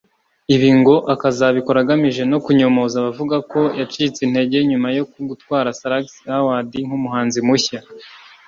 ibi ngo akazabikora agamije no kunyomoza abavugaga ko yacitse intege nyuma yo gutwara Salax Awards nk’umuhanzi mushya